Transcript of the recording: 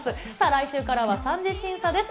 来週からは３次審査です。